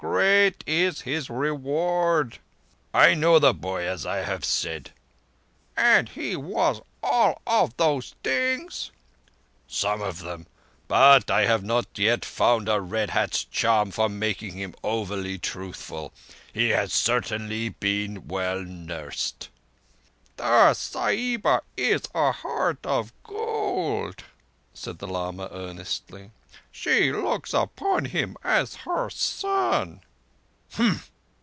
Great is his reward!" "I know the boy—as I have said." "And he was all those things?" "Some of them—but I have not yet found a Red Hat's charm for making him overly truthful. He has certainly been well nursed." "The Sahiba is a heart of gold," said the lama earnestly. "She looks upon him as her son."